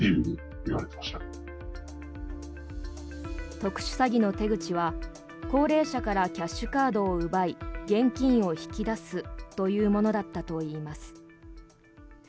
特殊詐欺の手口は、高齢者からキャッシュカードを奪い現金を引き出すというものだったといいます。